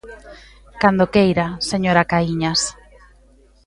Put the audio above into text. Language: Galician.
Cando queira, señora Caíñas.